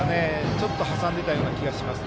ちょっと挟んでいた気がします。